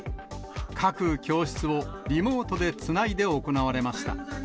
各教室をリモートでつないで行われました。